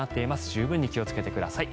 十分に気をつけてください。